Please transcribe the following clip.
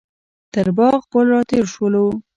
تر باغ پل راتېر شولو.